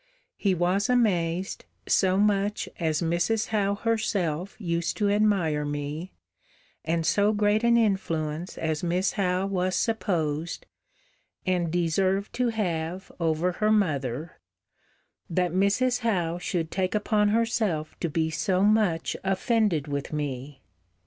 He was amazed, so much as Mrs. Howe herself used to admire me, and so great an influence as Miss Howe was supposed, and deserved to have over her mother, that Mrs. Howe should take upon herself to be so much offended with me.